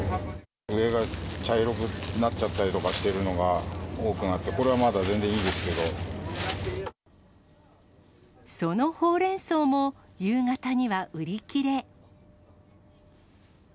上が茶色くなっちゃったりとかしてるのが多くなって、これはまだそのほうれんそうも、夕方には売り切れ。